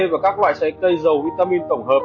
và các loại trái cây dầu vitamin tổng hợp